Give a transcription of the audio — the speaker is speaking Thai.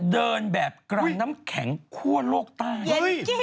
เดินแบบกลางน้ำแข็งคั่วโลกใต้